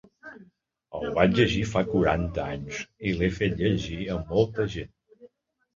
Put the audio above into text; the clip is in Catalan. El vaig llegir fa quaranta anys i l’he fet llegir a molta gent.